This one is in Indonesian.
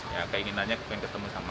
yang keinginannya kebutuhan